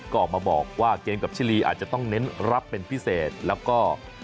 ก็ออกมาบอกว่าเกมกับชิลีอาจจะต้องเน้นรับเป็นพิเศษแล้วก็